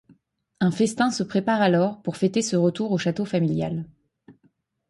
Un festin se prépare alors pour fêter ce retour au château familial.